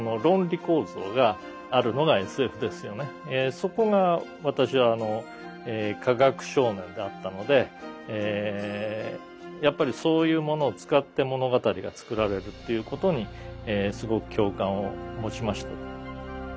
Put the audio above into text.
そこが私は科学少年だったのでやっぱりそういうものを使って物語が作られるっていうことにすごく共感を持ちました。